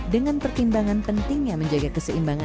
dengan pertimbangan pentingnya menjaga keseimbangan